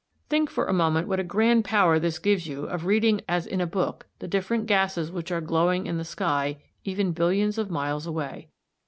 Think for a moment what a grand power this gives you of reading as in a book the different gases which are glowing in the sky even billions of miles away.